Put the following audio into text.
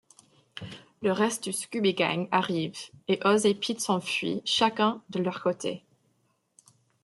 Le reste du Scooby-gang arrive et Oz et Pete s'enfuient chacun de leur côté.